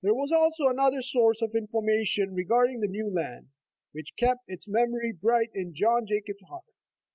Waiting Years also another source of information regarding the ''New Land," which kept its memory bright in John Jacob's heart.